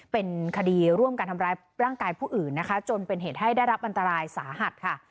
เป็นคดีร่วมการทำร้ายร่างกายผู้อื่นนะคะจนเป็นเหตุให้ได้รับอันตรายสาหัสค่ะ